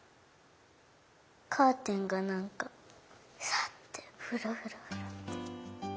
カーテンがなんかさってふらふらふらふらって。